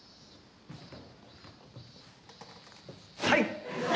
はい！